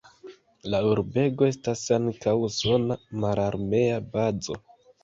La urbego estas ankaŭ usona mararmea bazo.